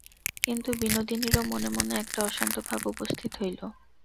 কিন্তু বিনোদিনীরও মনে মনে একটা অশান্ত ভাব উপস্থিত হইল।